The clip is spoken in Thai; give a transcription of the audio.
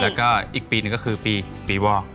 แล้วก็อีกปีก็คือปีปีวอก